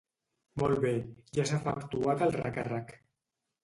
Molt bé, ja s'ha efectuat el recàrrec.